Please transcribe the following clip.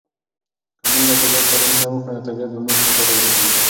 که موږ له طبعیت سره مینه وکړو نو طبعیت به موږ ته ګټه ورسوي.